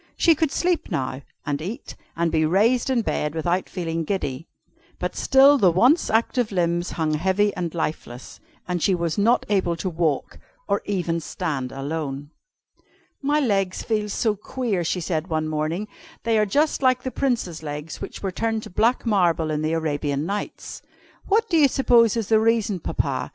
She could sleep now, and eat, and be raised in bed without feeling giddy. But still the once active limbs hung heavy and lifeless, and she was not able to walk, or even stand alone. "My legs feel so queer," she said one morning, "they are just like the Prince's legs which were turned to black marble in the Arabian Nights. What do you suppose is the reason, Papa?